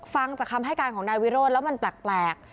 ฟังจากคำให้การของนายวิโรธแล้วมันแปลก